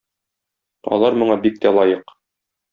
Алар моңа бик тә лаек.